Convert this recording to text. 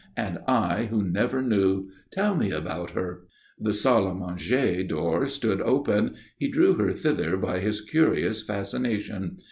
And I who never knew. Tell me about her." The salle à manger door stood open. He drew her thither by his curious fascination.